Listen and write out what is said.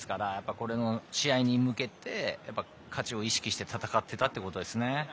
次の試合に向けて勝ちを意識して戦っていたということですね。